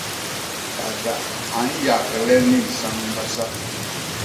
Pada a nyagle ni nsañ mbasa.